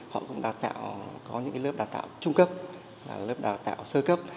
họ cũng có những lớp đào tạo trung cấp lớp đào tạo sơ cấp